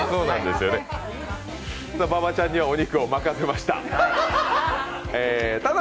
馬場ちゃんにはお肉を任せました。